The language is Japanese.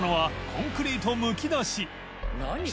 コンクリートむき出し禊